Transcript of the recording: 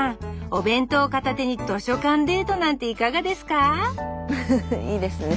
お弁当を片手に図書館デートなんていかがですかいいですね。